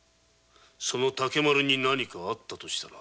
その竹丸に何かあったとしたら？